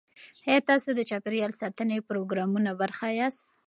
ایا تاسو د چاپیریال ساتنې پروګرامونو برخه یاست؟